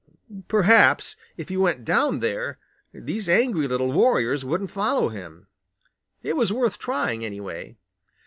Perhaps if he went down there, these angry little warriors wouldn't follow him. It was worth trying, anyway.